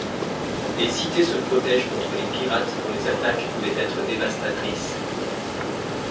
Les cités se protègent contre les pirates dont les attaques pouvaient être dévastatrice.